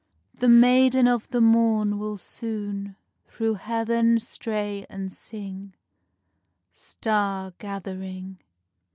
The Maiden of the Morn will soon Through Heaven stray and sing, Star gathering.